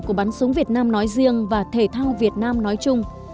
của bắn súng việt nam nói riêng và thể thao việt nam nói chung